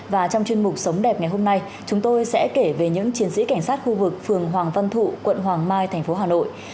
và trong chuyên mục sống đẹp ngày hôm nay chúng tôi sẽ kể về những chiến sĩ cảnh sát khu vực phường hoàng văn thụ quận hoàng mai thành phố hà nội